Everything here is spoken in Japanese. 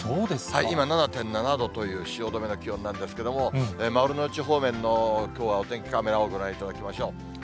今７．７度という汐留の気温なんですけれども、丸の内方面のきょうはお天気カメラをご覧いただきましょう。